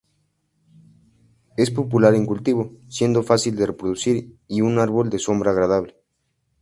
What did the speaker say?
Es popular en cultivo, siendo fácil de reproducir y un árbol de sombra agradable.